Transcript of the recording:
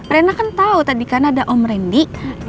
rena kan tau tadi karena ada om rendy